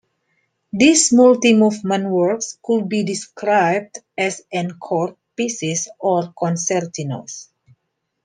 These multi movement works could be described as encore pieces or concertinos.